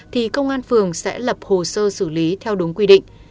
thì công an phường sẽ lập hồ sơ xử lý theo đúng quy định